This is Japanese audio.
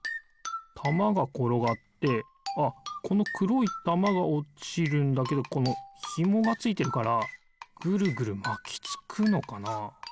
たまがころがってああこのくろいたまがおちるんだけどこのひもがついてるからぐるぐるまきつくのかな。